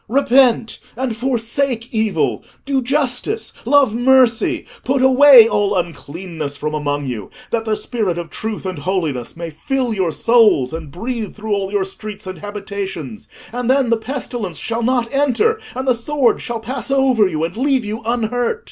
Repent and forsake evil: do justice: love mercy: put away all uncleanness from among you, that the spirit of truth and holiness may fill your souls and breathe through all your streets and habitations, and then the pestilence shall not enter, and the sword shall pass over you and leave you unhurt.